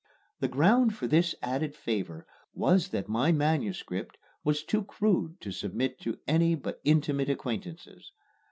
The ground for this added favor was that my manuscript was too crude to submit to any but intimate acquaintances.